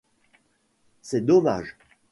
C'est dommage.